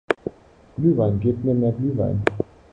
Glühwein, gebt mir mehr Glühwein!